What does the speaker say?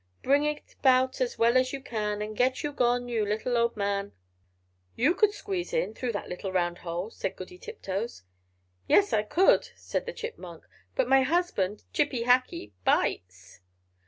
Bring it about as well as you can, And get you gone, you little old man!" "You could squeeze in, through that little round hole," said Goody Tiptoes. "Yes, I could," said the Chipmunk, "but my husband, Chippy Hackee, bites!"